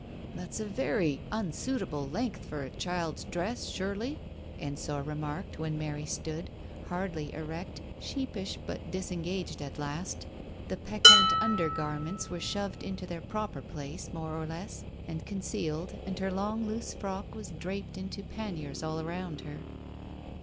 "That's a very unsuitable length for a child's dress, surely?" Ensor remarked, when Mary stood, hardly erect, sheepish but disengaged at last. The peccant undergarments were shoved into their proper place, more or less, and concealed, and her long loose frock was draped into paniers all round her.